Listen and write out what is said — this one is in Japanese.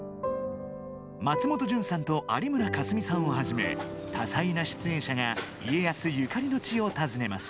松本潤さんと有村架純さんをはじめ、多彩な出演者が家康ゆかりの地を訪ねます。